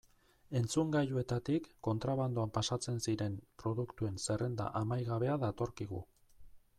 Entzungailuetatik kontrabandoan pasatzen ziren produktuen zerrenda amaigabea datorkigu.